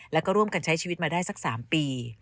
แล้วก็ร่วมกันใช้ชีวิตมาได้สัก๓ปี